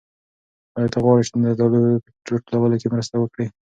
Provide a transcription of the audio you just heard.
آیا ته غواړې چې د زردالیو په راټولولو کې مرسته وکړې؟